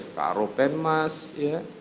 pak aro pemas ya